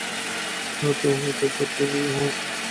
তাঁর তো মত পূর্বেই নেওয়া হয়েছে।